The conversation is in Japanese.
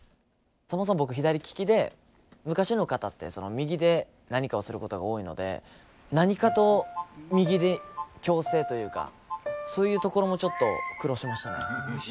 そもそも僕左利きで昔の方って右で何かをすることが多いので何かと右に矯正というかそういうところもちょっと苦労しましたね。